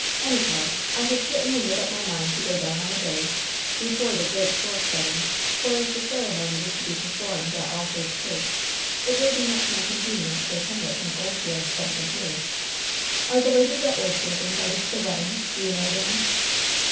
Anyhow, I had certainly made up my mind to go down on the bay, before the great Force wedding, for as the ceremony is to be performed at All Faith Church, it will be much more convenient to attend it from Oldfield than from here. Are the ladies at Oldfield invited to the wedding, do you know, Dan?"